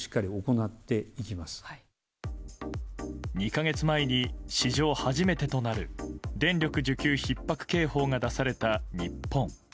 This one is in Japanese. ２か月前に、史上初めてとなる電力需給ひっ迫警報が出された日本。